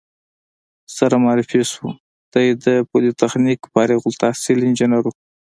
سره معرفي شوو، دی د پولتخنیک فارغ التحصیل انجینر و.